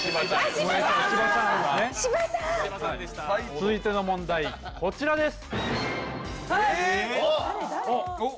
続いての問題、こちらです。